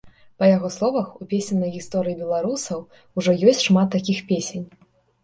Па яго словах, у песеннай гісторыі беларусаў ужо ёсць шмат такіх песень.